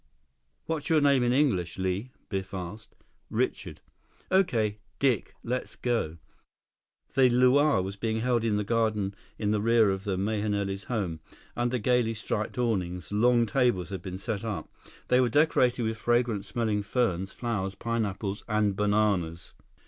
"What's your name in English, Li?" Biff asked. "Richard." "Okay, Dick—let's go." The luau was being held in the garden in the rear of the Mahenilis' home. Under gaily striped awnings, long tables had been set up. They were decorated with fragrant smelling ferns, flowers, pineapples and bananas.